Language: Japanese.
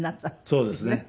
そうですね。